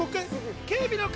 警備の方！